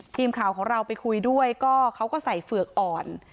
ทีมข่าวของเราไปคุยด้วยก็เขาก็ใส่เฝือกอ่อน